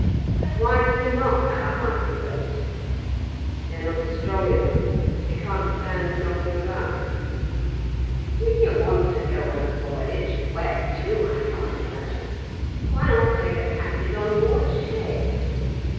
But why did you not have a hide boat?" "They are not strong enough. They can't stand knocking about." "If you want to go a voyage (where to, I can't imagine), why not take a passage on board a ship?"